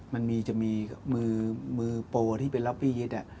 มันมีจะมีมือโปรที่เป็นล็อปปี้ยิด